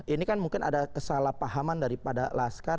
ini kan mungkin ada kesalahpahaman daripada laskar